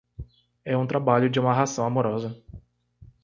É um trabalho de amarração amorosa